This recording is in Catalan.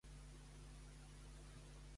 Quina implicació tindria per a Forn?